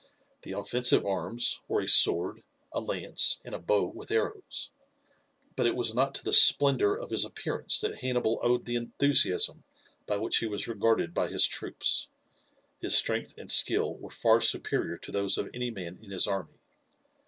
The offensive arms were a sword, a lance, and a bow with arrows. But it was not to the splendour of his appearance that Hannibal owed the enthusiasm by which he was regarded by his troops. His strength and skill were far superior to those of any man in his army.